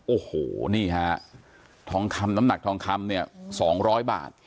โอ้โหนี่ค่ะน้ำหนักทองคำ๒๐๐บาท